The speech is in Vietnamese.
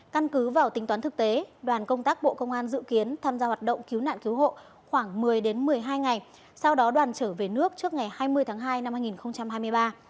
căn cứ vào tính toán thực tế đoàn công tác bộ công an dự kiến tham gia hoạt động cứu nạn cứu hộ khoảng một mươi một mươi hai ngày sau đó đoàn trở về nước trước ngày hai mươi tháng hai năm hai nghìn hai mươi ba